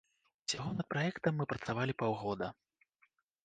Усяго над праектам мы працавалі паўгода.